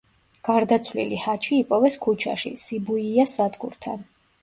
გარდაცვლილი ჰაჩი იპოვეს ქუჩაში, სიბუიას სადგურთან.